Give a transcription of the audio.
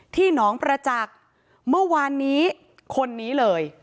หนองประจักษ์เมื่อวานนี้คนนี้เลย